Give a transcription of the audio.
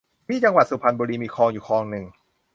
ที่จังหวัดสุพรรณบุรีมีคลองอยู่คลองหนึ่ง